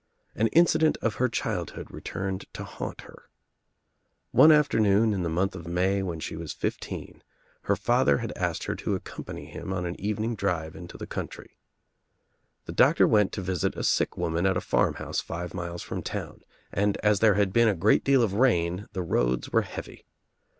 An incident of her childhood returned to haunt her. One afternoon in the month of May when she ras iifteen her father had asked her to accompany him ^^m THE TRIUMPH OF THE EGG on an evening drive into the country. The doctor went to visit a sick woman at a farmhouse five miles from town and as there had been a great deal of rain the roads were heavy.